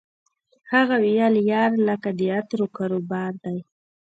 هغه ویل یار لکه د عطرو کاروبار دی